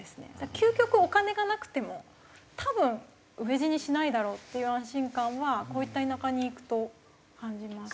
究極お金がなくても多分飢え死にしないだろうっていう安心感はこういった田舎に行くと感じます。